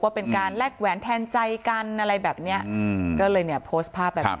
ว่าเป็นแรกแหวนแทนใจกันก็เลยโพสร์ภาพแบบนี้